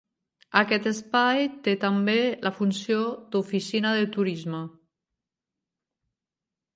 Aquest espai té també la funció d'oficina de turisme.